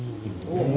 お。